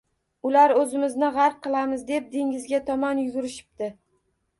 Ular o’zimizni g’arq qilamiz, deb dengizga tomon yugurishibdi